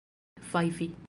fajfi